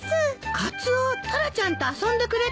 カツオタラちゃんと遊んでくれたのね？